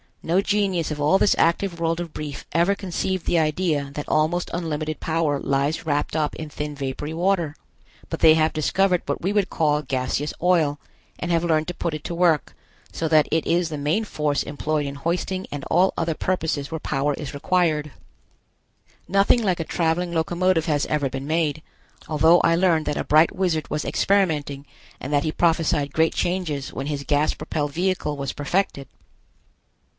No genius of all this active world of Brief ever conceived the idea that almost unlimited power lies wrapped up in thin vapory water. But they have discovered what we would call gaseous oil, and have learned to put it to work, so that it is the main force employed in hoisting and all other purposes where power is required. Nothing like a traveling locomotive has ever been made, although I learned that a bright wizard was experimenting and that he prophesied great changes when his gas propelled vehicle was perfected.